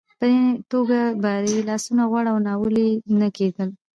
په دې توګه به یې لاسونه غوړ او ناولې نه کېدل.